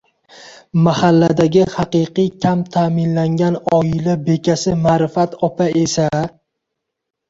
Mahalladagi haqiqiy kam ta’minlangan oila bekasi Maxfirat opa esa